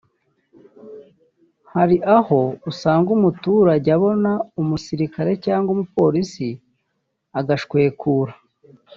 Hari aho usanga umuturage abona umusirikare cyangwa umupolisi agashwekura